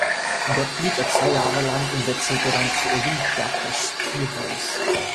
Dort blieb er zwei Jahre lang und wechselte dann zu Olympiakos Piräus.